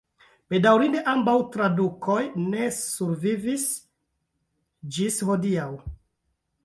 Bedaŭrinde ambaŭ tradukoj ne survivis ĝis hodiaŭ.